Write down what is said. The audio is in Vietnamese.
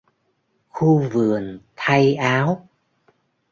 Khu vườn thay áo